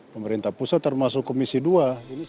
pemerintah pusat termasuk komisi dua